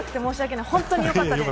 本当に良かったです。